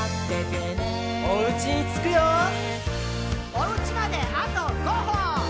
「おうちまであと５歩！」